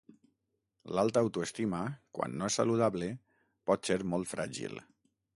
L'alta autoestima, quan no és saludable, pot ser molt fràgil.